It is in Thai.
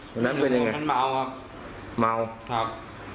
วันนั้นเป็นยังไงมัลครับ